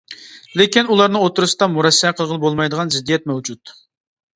لېكىن ئۇلارنىڭ ئوتتۇرىسىدا مۇرەسسە قىلغىلى بولمايدىغان زىددىيەت مەۋجۇت.